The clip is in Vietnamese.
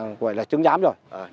ông này gọi là chứng giám rồi